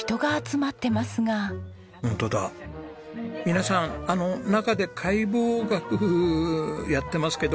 皆さん中で解剖学やってますけど。